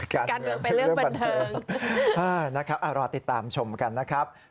จริงหรอกันเรื่องบันเทิงนะครับรอติดตามชมกันนะครับ